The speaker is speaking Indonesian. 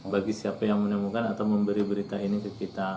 bagi siapa yang menemukan atau memberi berita ini ke kita